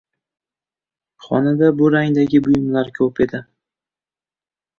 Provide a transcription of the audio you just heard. Xonada bu rangdagi buyumlar koʻp edi.